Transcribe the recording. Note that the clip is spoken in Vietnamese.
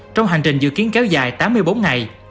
trong hành trình dự kiến kéo dài tám mươi bốn ngày